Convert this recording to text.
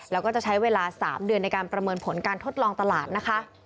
แล้วก็จะใช้เวลา๓เดือนในการประเมินผลการทดลองตลาดนะคะ